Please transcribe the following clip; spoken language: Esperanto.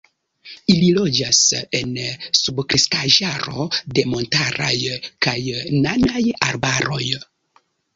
Ili loĝas en subkreskaĵaro de montaraj kaj nanaj arbaroj.